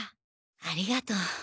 ありがとう。